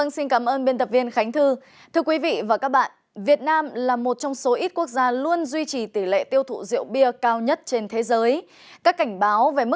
xin mời biên tập viên khánh thư